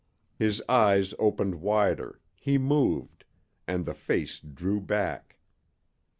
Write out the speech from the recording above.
His eyes opened wider, he moved, and the face drew back.